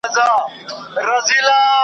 زه به د هغه ملاتړی یم .